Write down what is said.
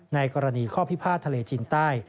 ในกรณีข้อพิพาททะเลจีนใต้